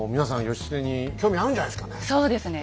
義経に興味あるんじゃないですかね。